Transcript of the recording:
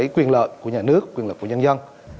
quyền lợi của nhà nước quyền lực của nhân dân